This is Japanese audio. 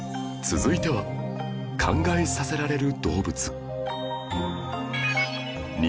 続いては考えさせられる動物